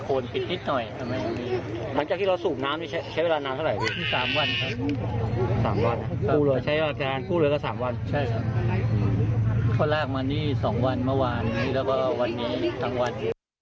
คนแรกมานี่๒วันเมื่อวานนี้แล้วก็วันนี้ทั้งวัน